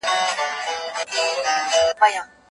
د ده مبارزه